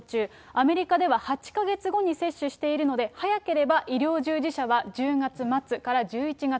アメリカでは８か月後に接種しているので、早ければ医療従事者は１０月末から１１月。